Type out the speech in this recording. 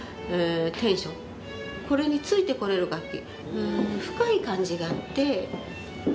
これについてこれる楽器。